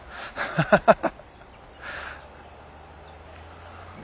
ハハハハハ。